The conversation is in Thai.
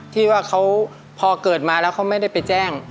ที่ว่าเขาพอเกิดมาแล้วเขาไม่ได้ไปแจ้ง